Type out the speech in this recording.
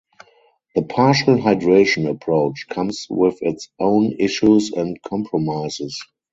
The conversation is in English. The partial hydration approach comes with its own issues and compromises.